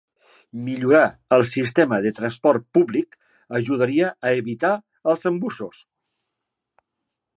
Millorar el sistema de transport públic ajudaria a evitar els embussos.